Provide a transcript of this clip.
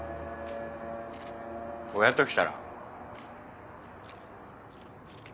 親と来たら？